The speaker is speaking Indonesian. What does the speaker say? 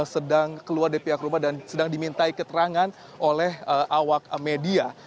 sedang keluar dari pihak rumah dan sedang dimintai keterangan oleh awak media